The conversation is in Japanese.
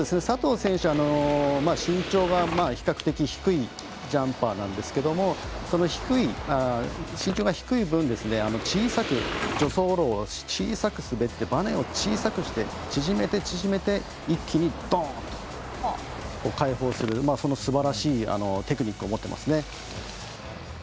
佐藤選手は、身長が比較的低いジャンパーなんですが身長が低い分助走路を小さく滑ってバネを小さくして縮めて縮めいて一気にドン！と開放する、そのすばらしいテクニックを持っていますね。